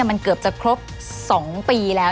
มันเกือบจะครบ๒ปีแล้ว